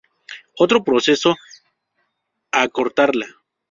Otro proceso, a cortarla.